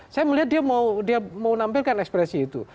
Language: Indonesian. saya melihat dia mau nampilkan ekspresi itu